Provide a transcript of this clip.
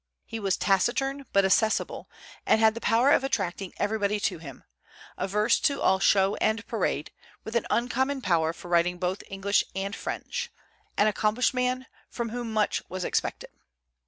He was taciturn but accessible, and had the power of attracting everybody to him; averse to all show and parade; with an uncommon power for writing both good English and French, an accomplished man, from whom much was expected.